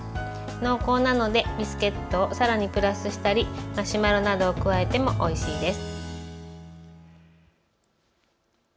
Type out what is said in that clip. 濃厚なのでビスケットをさらにプラスしたりマシュマロなどを加えてもおいしいです。